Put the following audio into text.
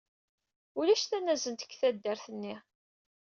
Ulac tanazent deg taddart-nni.